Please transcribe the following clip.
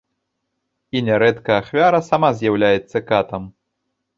І нярэдка ахвяра сама з'яўляецца катам.